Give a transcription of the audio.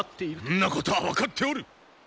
そんなことは分かっておる！